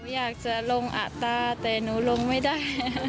อยากจะลงอัตราแต่หนูลงไม่ได้